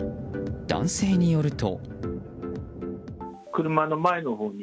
男性によると。